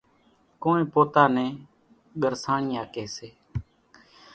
ڪونئين پوتا نين ڳرسانڻِيا ڪيَ سي۔